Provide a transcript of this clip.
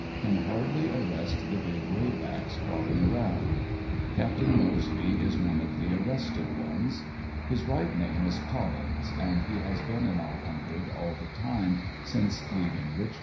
Can hardly arrest the big graybacks crawling around. Capt. Moseby is one of the arrested ones. His right name is Collins and he has been in our hundred all the time since leaving Richmond.